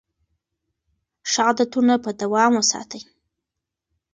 ښه عادتونه په دوام وساتئ.